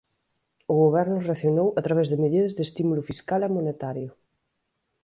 O goberno reaccionou a través de medidas de estímulo fiscal e monetario.